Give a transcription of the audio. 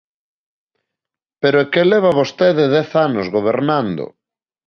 Pero é que leva vostede dez anos gobernando.